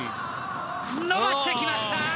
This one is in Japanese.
伸ばしてきました！